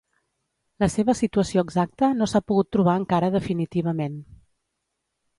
La seva situació exacta no s'ha pogut trobar encara definitivament.